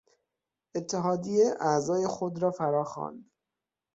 اتحادیه اعضای خود را فرا خواند.